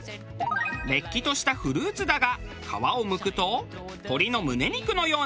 れっきとしたフルーツだが皮をむくと鶏の胸肉のような見た目。